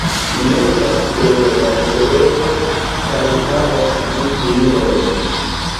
Li loĝas en Barcelono kaj havas du filinojn.